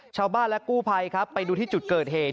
ชาวบ้านและกู้ภัยครับไปดูที่จุดเกิดเหตุ